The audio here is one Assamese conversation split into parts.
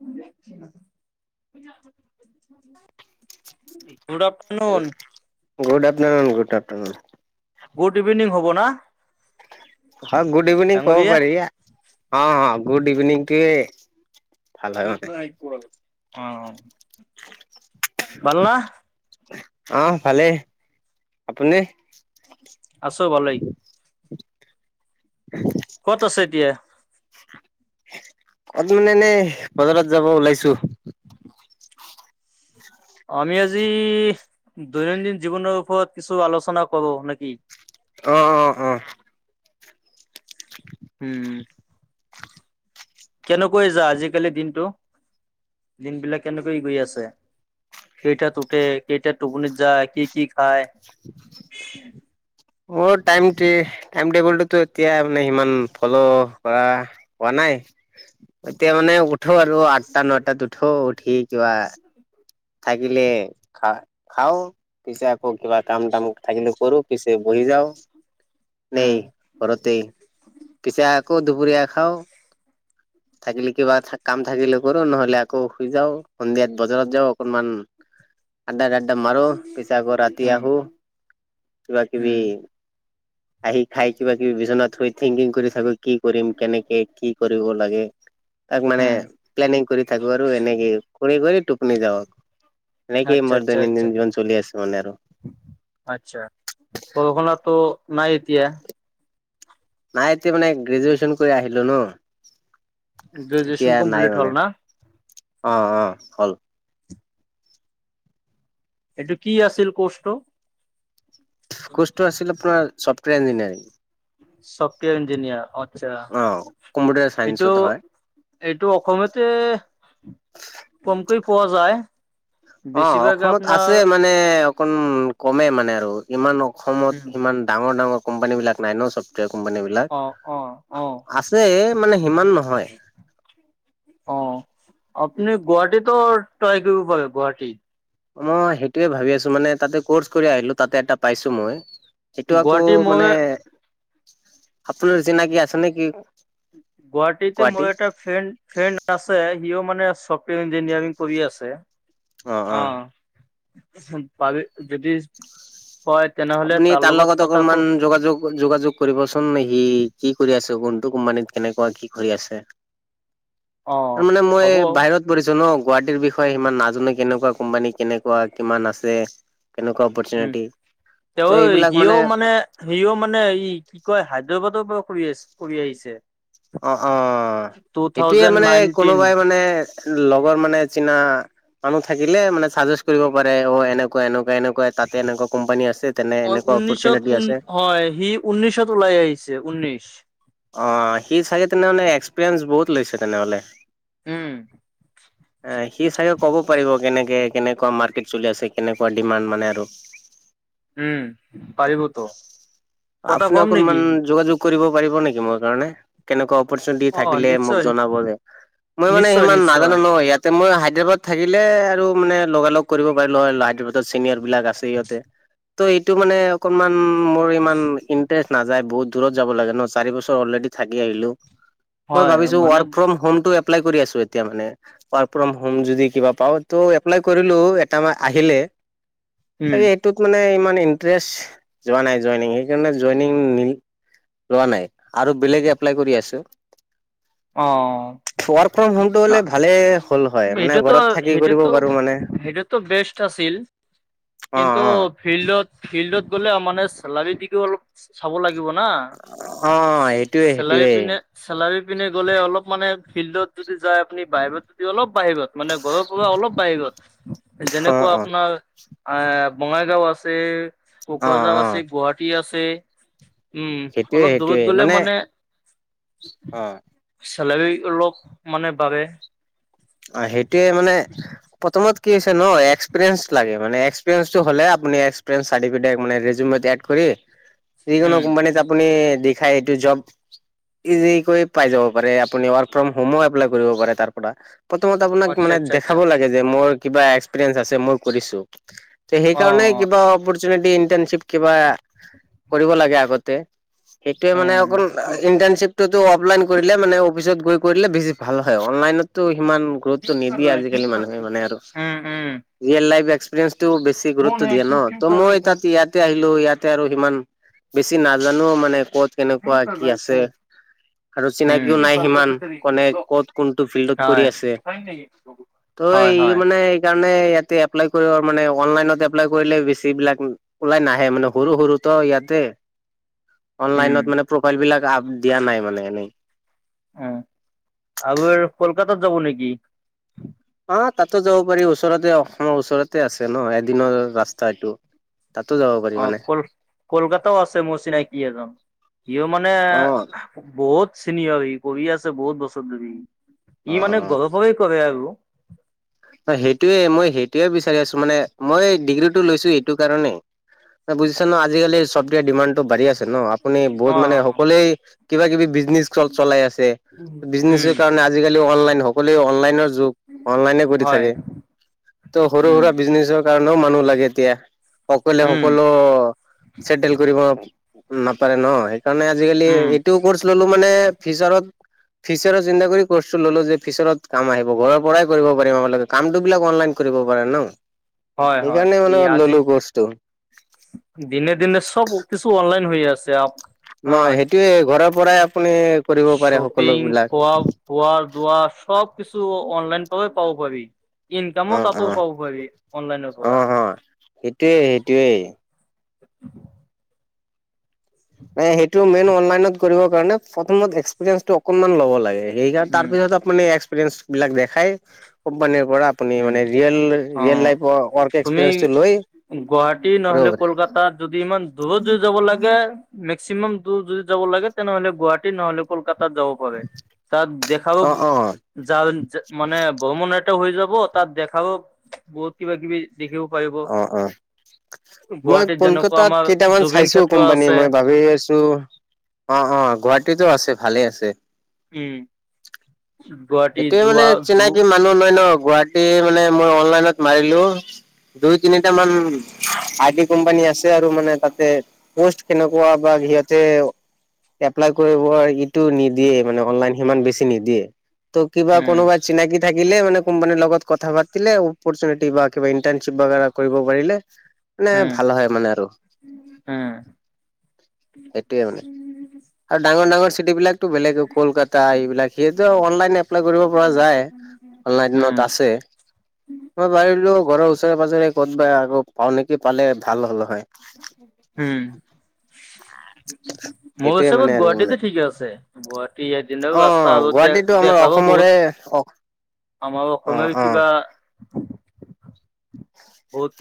[unintelligible] Good afternoon good afternoon, good afternoon good evening হ'ব না অ গুড ইভিনিং কব ডাঙৰীয়া পাৰি অ গুড ইভিনিং কি অ ভাল ন আহ ভালেই আপুনি আছো ভালেই ক'ত আছে এতিয়া কত মানে এনে বজাৰত যাব ওলাইছো আমি আজি দৈনন্দিন জীৱনৰ ওপৰত কিছু আলোচনা কৰো নেকি অ', অ', অ', উম কেনেকৈ যায় আজিকালি দিনটো, দিনবিলাক কেনেকৈ গৈ আছে? কেইটাতে উঠে, কেইটাত টোপনি যায়, কি কি খায় অ', টাইমটোৱে, টাইম টেবুলটোতো এতিয়া মানে সিমান ফল' কৰা হোৱা নাই নাই, এতিয়া মানে উঠো আৰু আঠটা, নটাত উঠো, উঠি কিবা থাকিলে খা-খাও, পিছে আকৌ কিবা কাম-টাম থাকিল কৰো পিছে [unintelligible] যাও নে উম, ঘৰতে পিছে আকৌ দুুপুৰীয়া খাওঁ থাকিলে কিবা কাম থাকিলে কৰো নহলে আকৌ শুই যাও, সন্ধিয়াত বজাৰত যাওঁ মান [unintelligible] মাৰো, পিছে আকৌ ৰাতি উম, আহো, কিবা কিবি উম, [inaudible] আহি খাই কিবা-কিবি বিচনাত শুই থিংকিং কৰি থাকো কি কৰিম, কেনেকে কি কৰিব লাগে। তাক মানে, উম, প্লেনিং কৰি থাকো আৰু এনেকে কৰি কৰি টোপনি যাওঁ এনেকেই আচ্ছা মোৰ আচ্ছা আচ্ছা দৈনন্দিন জীৱন চলি আছে মানে আৰু। আচ্ছা, [unintelligible] নাই এতিয়া? নাই এতিয়া মানে, গ্ৰেজুৱেচন কৰি আহিলো ন। এতিয়া গ্ৰেজুুৱেচন নাই কমপ্লিট মানে হ'ল না। অ', অ', হ'ল। এইটো কি আছিল কৰ্ছটো? কোৰ্চটো আছিল আপোনাৰ চফ্টৱেৰ ইঞ্জিনিয়াৰিং। চফ্টৱেৰ ইঞ্জিনিয়াৰ অ কম্পিউটাৰ আচছা। এইটো, চাইন্সত হয় এইটো অসমতে কমকৈ পোৱা যায়। অ', বেছিভাগে অসমত আপোনাৰ আছে মানে অকন কমে মানে আৰু ইমান অসমত উম ইমান ডাঙৰ ডাঙৰ কোম্পানী বিলাক নাই ন ছফ্টৱেৰ কোম্পানীবিলাক, অ অ অ আছে মানে হিমান নহয়। অ', আপুনি গুৱাহাটীতো ট্ৰাই কৰিব পাৰে গুৱাহাটী। মই সেইটোৱে ভাবি আছো, মানে তাতে কৰ্চ কৰি আহিলো তাতে এটা পাইছো মই সেইটো আকৌ গুৱাহাটী মোৰ মানে, আপোনাৰ চিনাকি আছে নেকি? গুৱাহাটীতে মোৰ এটা ফ্ৰেন ফ্ৰেণ্ড আছে, হিও মানে চফ্টৱেৰ ইঞ্জিনিয়াৰিং কৰি আছে। অ', অ'। পাবি যদি হয় তেনেহলে আপুনি তাৰ লগত কথা অকনমান ক যোগাযোগ-যোগাযোগ কৰিবচোন [unintelligible] সি কি কৰি আছে, কোনটো কোম্পানীত কেনেকুৱা কি কৰি আছে? অ তাৰ মানে মই হ'ব বাহিৰত পৰিছো ন গুৱাহাটীৰ বিষয়ে সিমান নাজানো কেনেকুৱা কোম্পানী, কেনেকুৱা কিমান আছে? কেনেকুৱা উম অপৰ্তুনিটি? [unintelligible] সিও মানে সিও মানে এই কি কয় হায়দৰাবাদৰ পৰা কৰি আছ কৰি আহিছে। অ', অ'। টু এইটোয়ে থাউজেণ্ড মানে, নাইনটিন কোনোবাই মানে লগৰ মানে চিনা মানুহ থাকিলে মানে চাজেষ্ট কৰিব পাৰে অ', এনেকুৱা, এনেকুৱা, এনেকুৱা তাতে এনেকুৱা কোম্পানী আছে। তেনে অ', এনেকুৱা ঊনৈশত অপৰচুনিটি আছে হয়, সি উনৈশত ওলাই আহিছে উনৈশ। অ', সি চাগে তেনেহলে এক্সপিৰিয়েঞ্চ বহুত লৈছে তেনেহ'লে। উম। সি চাগে ক'ব পাৰিব কেনেকে কেনেকুৱা মাৰ্কেট চলি আছে, কেনেকুৱা ডিমাণ্ড মানে আৰু উম, পাৰিবতো, কথা আপুনি কম অকনমান নেকি? যোগাযোগ কৰিব পাৰিব নেকি মোৰ কাৰণে, কেনেকুৱা কৈছ কি অ থাকিলে মোক নিশ্চয় জনাবলে মই মানে নিশ্চয় ইমান নিশ্চয় ন ইয়াতে মই হায়দৰাবাদ থাকিলে আৰু মানে লগালগ কৰিব পাৰিলোঁ হয় হায়দৰাবাদত ছিনিয়ৰ বিলাক আছে ইহঁতে এইটো মানে অকমান মোৰ ইমান ইনটাৰেচ নাযায় বহুত বহুত দুৰত যাব লাগে ন মই হয় ভাবিছো মানে ৱৰ্কফ্ৰম হমটো এপ এপ্লাই কৰি আছো এতিয়া মানে ৱৰ্ক ফ্ৰম হম যদি কিবা পাওঁ ত এপ্লাই কৰিলো এটা আহিলে। [inaudible] চাগে এইটোত মানে ইমান ইন্টেষ্ট যোৱা নাই জইনিং সেইকাৰণে জইনিং লোৱা নাই আৰু বেলেগে এপ্লাই কৰি আছো অ। ৱৰ্ক ফ্ৰম হোমটো হলে ভালে হ'ল হয় মানে ঘৰত থাকি কৰিব পাৰো মানে সেইটোততো বেষ্ট আছিল অ কিন্তু অ ফিল্ডত ফিল্ডত গ'লে মানে চেলাৰি দিশেও অলপ চাব লাগিব অ সেইটোয়ে চেলাৰী সেইটোয়ে পিনে চেলাৰী পিনে গ'লে অলপ মানে ফিল্ডত যদি যায় আপুনি বাহিৰত অলপ বাহিৰত মানে গৰৰ পৰা অলপ বাহিৰত অ যেনেকুৱা অ আপোনাৰ অ' বঙাইগাঁও আছে, অ কোকৰাঝাৰ অ আছে, গুৱাহাটী আছে উম, সেইটোয়ে অলপ দূৰত সেইটোয়ে গ'লে মানে অ', চেলাৰী অলপ মানে বাঢ়ে অ', সেইটোৱে মানে প্ৰথমত কি হৈছে ন এক্সপিৰিয়েঞ্চ লাগে মানে এক্সপিৰিয়েঞ্চটো হ'লে মানে এক্সপ্ৰিয়েঞ্চ চাৰ্টিপিকেট ৰিজিউমত এড কৰি যিকোন উম কুম্পেনীত আপুনি দেখাই এইটো জব ইজিকৈ পাই যাব পাৰে আপুনি ৱৰ্ক ফ্ৰম হোমো এপ্লাই কৰিব পাৰে তাৰ পৰা৷ প্ৰথমতে আপোনাক কিবা আচ্ছা আচ্ছা আচ্ছা দেখাব লাগে মোৰ এক্সপ্ৰিয়েঞ্চ আছে মই কৰিছো৷ তে অ সেইকাৰণে কিবা অপৰচুনিটি ইন্টাৰ্নশ্বিপ কিবা কৰিব লাগে আগতে৷ সেইটোৱে মানে উম অকল ইণ্টাৰ্ণশ্বিপ অফলাইন কৰিলে মানে অফিচত গৈ কৰি দলে বেছি ভাল হয় অনলাইনতো সমান গুৰুত্ব নিদিয়ে আজিকালি মানুহে মানে আৰু উম উম ৰিয়েল লাইফ এক্সপ্ৰিয়েঞ্চ বেছি গুৰুত্ব দিয়ে ন ত' মই তাত ইয়াতে আহি হলেও ইয়াতে আৰু সিমান বেছি নাজানো মানে ক'ত কেনেকুৱা কি আছে আৰু চিনাকিও নাই সিমান কনে উম ক'ত কোনটো ফিল্ডত কৰি হয় আছে ত হয় এই হয় মানে এই কাৰণ ইয়াতে এপ্লাই কৰিব মানে অনলাইনত এপ্লাই কৰিলে বেছি বিলাক ওলাই নাহে মানে সৰু সৰুতো ইয়াতে উম অনলাইনত মানে প্ৰফাইল বিলাক দিয়া নাই মানে এনেই উ আগৰ কলকাতাত যাব নেকি অ', তাতো যাব পাৰি ওচৰতে অসমৰ ওচৰতে আছে ন এদিনৰ ৰাস্তা এইটো তাতো যাব পাৰি অ', মানে কল কলকাতাও আছে মোৰ চিনাকী আৰু ইও মানে অ বহুত চিনিয়ৰ ই কৰি আছে বহুত বছৰ ধৰি অ ই অ। মানে গৰৰ পৰাই কৰে আৰু হেইটোৱে মই হেইটোৱে বিচাৰি আছো মানে মই ডিগ্ৰীটো লৈছো এইটো কাৰণেই ত বুজিছ ন আজিকালি চফ্টৱেৰ ডিমাডটো বাঢ়ি আছে ন আপুনি বহুত মানে অ', অ', সকলোৱেই কিবা কিবি বিজ বিজনেজখন চলাই আছে বিজিনেচৰ উম, কাৰণে আজিকালি অনলাইন সকলোৱে অনলাইনৰ যুগ লাইনে কৰি হয়, থাকে ত' সৰু উম, সুৰা বিজনেচক কাৰণেও মানুহ লাগে এতিয়া অকলে উম, সকলো চেটেল কৰিব নাপাৰে ন সেইকাৰণে আজিকালি উম, এইটোও কৰ্চ ললো মানে ফিউচাৰত ফিচাৰ চিন্তা কৰি কৰ্চটো ললো যে ফিচাৰত কাম আহিব ঘৰৰ পৰাই কৰিব পাৰিম আপোনালোকে কামটো বিলাক অনলাইন কৰিব পাৰে ন হয় হয় সেইকাৰণে মানে ই আজি ললো কৰ্চটো দিনে দিনে চব কিছু অনলাইন হৈ আছে আপ ন অ', সেইটোয়ে ঘৰৰ পৰাই। আপুনি কৰিব পাৰে সকলো শ্বপিং বিলাক পোৱা পোৱাৰ দুৱ সব কিছু অনলাইন পাবে পাব পাৰি। অ ইনকামো অ তাতো পাব পাৰি অনলাইনৰ অ পৰা। অ সেইটোয়ে সেইটোয়ে সেইটো মেইন অনলাইনত কৰিব কাৰণে, প্ৰথমত এক্সপিৰিয়েঞ্চটো অকনমান লব লাগে। এইকাৰণ উম, তাৰপিছত আপুনি এক্সপেৰিয়েঞ্চ বিলাক দেখাই কোম্পানীৰ পৰা আপুনি উম, মানে ৰিয়েল ৰিয়েল অ', লাইফ‌ ৱৰ্ক তুমি এক্সপিৰিয়েঞ্চটো লৈ। গুৱাহাটী কৰিব নহ'লে পাৰে কলকাত যদি ইমান দূৰটো যাব লাগে মেকচিমাম দূৰ যদি যাব লাগে, তেনেহলে গুৱাহাটী নহ'লে কলকাতা। ককাতাত যাব পাৰে, তাত দেখাব অ অ যাৰ মানে ভ্ৰমণ এটা হৈ যাব। হ'ব তাত দেখাব বহুত কিবা কিবি। দেখিব পাৰিব। অহ', ‌ অহ'। মই গুৱাহাটীত যেনেকুৱা কলকাতাত আমাৰ কেইটামান জুবিন চাইছোঁ ক্ষেত্ৰ কোম্পানী, আছে। মই ভাবি আছোঁ। অহ', অহ' গুৱাহাটীতো আছে, ভালে আছে। উম'। গুৱাহাটী সেইটোৱে মানে যোৱা জু চিনাকি মানুহ নাই ন, গুৱাহাটী মানে মই অনলাইনত মাৰিলো। দুই তিনিটা মান আইটি কোম্পানী আছে আৰু মানে তাতে পোষ্ট কেনেকুৱা বা এয়াতে। এপ্লাই কৰিব ইটো নিদিয়ে মানে অনলাইন সিমান বেছি নিদিয়ে। ত' কিবা উম, কোনোবা চিনাকি থাকিলে মানে কোম্পানীৰ লগত কথা পাতিবলে অৰ্পচনটি বা কিবা টেঞ্চ বাগধাৰা কৰিব পাৰে, মানে উম, ভাল হয় মানে আৰু। উম, সেইটোৱে মানে, আৰু ডাঙৰ ডাঙৰ চিটিবিলাকটো বেলেগ এ, কলকাতা এইবিলাক সিতো অনলাইন এপ্লাই পৰা যায়। অনলাইনত উম, আছে। মই পাৰিলোঁ ঘৰৰ ওচৰে পাজৰে ক'ত বা আকৌ পাওঁ নেকি, পালে ভাল হ'ল হয়। হম। মোৰ সেইটোয়ে মানে হিচাপত আৰু মানে গুৱাহাটীত ঠিকে আছে, গুৱাহাটী এ দিনৰ অ ৰাস্তা আৰু গুৱাহাটীতো আমাৰ দেখাব বহুত অসমৰে অ আমাৰ অ অসমেৰে অ কিবা ভূত।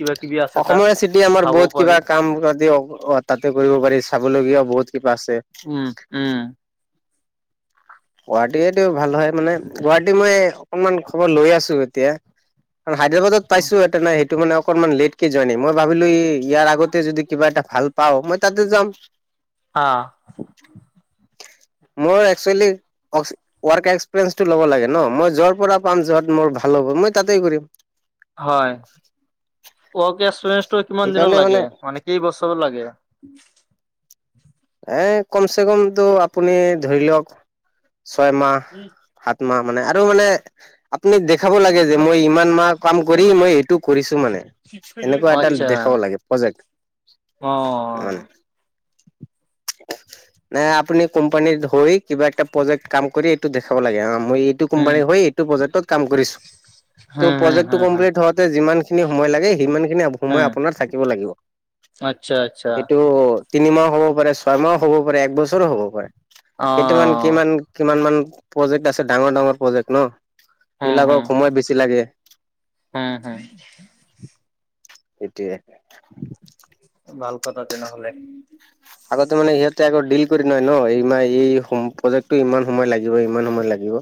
অসমৰে চিটি আমাৰ বহুত কিবা কাম তাতি অহ, তাতে কৰিব পাৰি, চাবলগীয়া বহুত কিবা আছে। উম উম। গুৱাহাটীয়েটো ভাল হয়, মানে গুৱাহাটী মই অকনমান খবৰ লৈ আছো এতিয়া। হায়দৰাবাদত পাইছোঁ, এতে নাই সেইটো মানে অস অকণমান লেটকে জইনিং, মই ভাবিলো ইয়াৰ আগতে যদি কিবা এটা ভাল পাওঁ মই তাতে যাম। আহ'। মই একচুৱেলি। ৱৰ্ক এক্সপিৰিয়েঞ্চটো ল'ব লাগে ন, মই যৰ পৰা পাম যত মোৰ ভাল হ'ব মই তাতেই কৰিম। হয়। ৱৰ্ক এক্সপিৰিয়ে কিমান দিনৰত লাগে, মানে কেইবছৰ লাগে। এ কমচে কমটো আপুনি ধৰি লওঁক ছয়মাহ, সাত তোমাৰ মানে আৰু মানে আপুনি দেখাব লাগে যে মই ইমান মাহ কাম কৰি, মই এইটো কৰিছো মানে এনেকুৱা এটা দেখাব। ক'ব লাগে প্ৰজেক। অহ'। [inaudible] নাই আপুনি কোম্পানী হৈ, কিবা এটা প্ৰজেক্ট কাম কৰি এইটো দেখাব লাগে অহ। মই এইটো উম কোম্পানী হৈ এইটো প্ৰজেক্টত কাম কৰিছোঁ। হম ত' হম প্ৰজেক্টটো হম হম। কমপ্লিট হোৱাতে, যিমান সময় লাগে সিমান উম সময় আপোনাৰ থাকিব লাগিব। আচ্ছা। আচ্ছা। সেইটো তিনিমাহ হ'ব পাৰে, ছয়মাহো হ'ব পাৰে, এক বছৰো হ'ব পাৰে, অ কেইটামান কিমান, কিমান মান প্ৰজেক্ট আছে, ডাঙৰ ডাঙৰ প্ৰজেক্ট ন, হম এইবিলাকক হম সময় বেছি লাগে। হম, হম। সেইটোয়ে। ভাল কথা তেনেহলে। আগতে মানে সিহঁতে আকৌ ডিল কৰি লয় ন, এই মা এই প্ৰজেক্ট ইমান সময় লাগে। ইমান সময় লাগিব,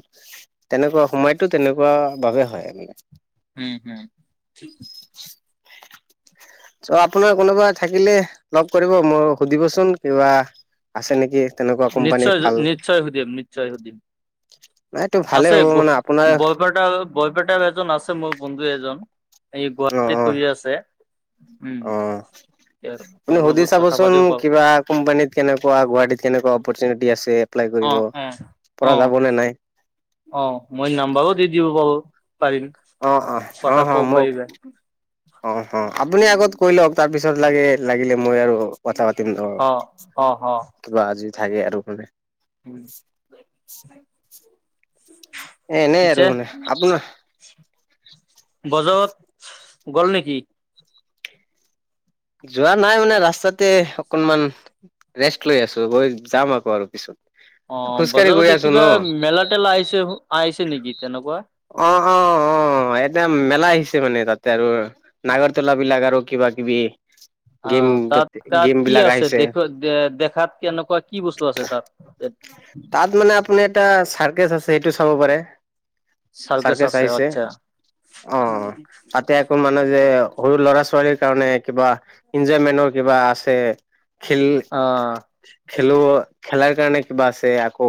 তেনেকুৱা সময়তো তেনেকুৱা বাবে হয়। উম, হম। অ আপোনাৰ কোনোবা থাকিলে লগ কৰিব মই সুধিবচোন কিবা আছে নেকি তেনেকুৱা কোম্পানী নিশ্চয় ভাল নিশ্চয় সুধিম নিশ্চয় সুধিম নাইটো ভালে আছে হ'ব মানে আপোনাৰ বৰপেটা বৰপেটাৰ এজন আছে মোৰ বন্ধু এজন এই অ গুৱাহাটীত কৰি আছে উম অ অ তেওঁৰ আপুনি তেওঁৰ সুধি লগত কথা চাবচোন পাতিব পাৰো কিবা কোম্পানীত কেনেকুৱা গুৱাহাটীত কেনেকুৱা অপৰচুনিটি আছে এপ্লাই অ কৰিব। এ অ পৰা যাব নে নাই অ মই নাম্বাৰো দি দিব বাৰু পাৰিম অ হ কথা হ ক'ব মোক পাৰিব অ অ আপুনি আগত কৈ লওক তাৰপিছত লাগে লাগিলে মই আৰু কথা পাতিম ন অ অ অ কিবা আজি থাকে আৰু মানে উম এ এনেই আৰু পিছে মানে আপোনাৰ বজত গ'ল নেকি যোৱা নাই মানে ৰাস্তাতে অকনমান ৰেষ্ট লৈ আছো গৈ যাম আকৌ আৰু পিছত অ খোজকাঢ়ি গৈ বজাৰতে আছো ন কিবা মেলা তেলা আহিছে আহিছে নেকি তেনেকুৱা অ অ অ এতিয়া মেলা আহিছে মানে তাতে আৰু নাগৰ তলা বিলাক আৰু কিবা কিবি অ গেম তাত তাত গেম কি বিলাক আছে আহিছে দেখ দেখাত কেনেকুৱা কি বস্তু আছে তাত তাত মানে আপুনি এটা চাৰ্কেচ আছে সেইটো চাব পাৰে চাৰ্কাছ চাৰকেছ আছে আহিছে আচ্ছা অ তাতে অকণমান আপোনাৰ যে সৰু লৰা ছোৱালীৰ কাৰণে কিবা এঞ্জয়মেনৰ কিবা আছে খেল অ খেলো খেলাৰ কাৰণে কিবা আছে আকৌ,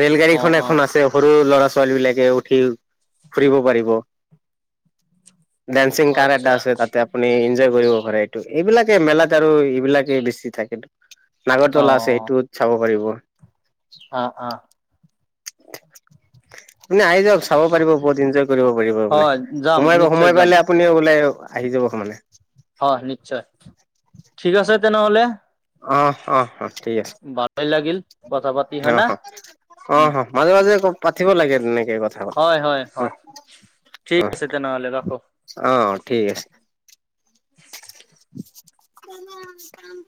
ৰেল গাড়ী অ খন অ এখন আছে সৰু ল'ৰা ছ ছোৱালী বিলাকে উঠি ফুৰিব পাৰিব ডিং কাৰ এ আচ্ছা আছে তাতে আপু কৰিব এইটো এইবিলাকে মেলাত আৰু এইবিলাকে বেছি থাকে, অ নাগৰতলা আছে সেইটোত চাব পাৰিব, অ অ, [unintelligible] আপুনি আহি যাওক চাব পাৰিব বহুত এনজয় কৰিব পাৰিব অ মে যাম সোমাই নিশ্চয় সোমাই যাম পাইে আপুনি বোলে, আহি যাব সমানে, হয় নিশ্চয় ঠিক আছে তেনেহলে, অ অ অ ঠিক আছে ভালেই লাগিল কথা পাতি হয় না, অ অ মাজে, যে পাতিব লাগে তেনেকে কথা অ হয় হয় অ হয় ঠিক আছে তেনেহ'লে ৰাখো। অহ ঠিক আছে, [unintelligible]